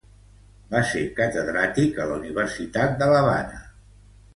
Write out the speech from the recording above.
Va ser catedràtic a la Universitat de l'Havana.